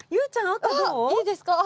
あっいいですか？